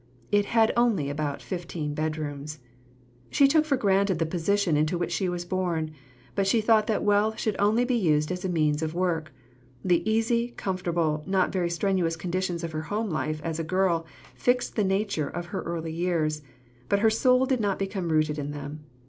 It had only about fifteen bedrooms. She took for granted the position into which she was born. But she thought that wealth should only be used as a means of work. The easy, comfortable, not very strenuous conditions of her home life as a girl fixed the nature of her earlier years, but her soul did not become rooted in them.